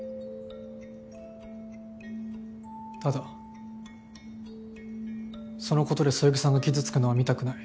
ただその事でそよぎさんが傷つくのは見たくない。